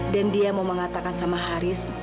dan dia mau mengatakan sama haris